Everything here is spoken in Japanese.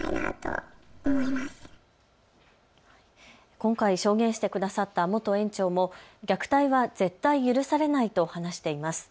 今回証言してくださった元園長も虐待は絶対許されないと話しています。